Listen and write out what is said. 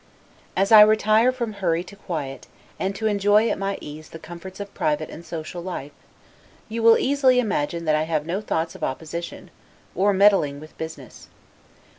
As I retire from hurry to quiet, and to enjoy, at my ease, the comforts of private and social life, you will easily imagine that I have no thoughts of opposition, or meddling with business.